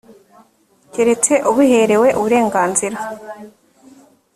keretse ubiherewe uburenganzira